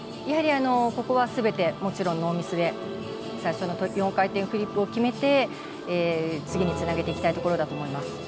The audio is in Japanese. やはり、ここはすべてもちろんノーミスで最初の４回転フリップを決めて次につなげていきたいところだと思います。